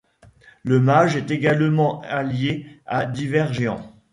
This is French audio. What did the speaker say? Le mage est également allié à divers géants.